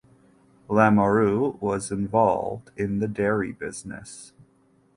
Lamoreaux was involved in the dairy business.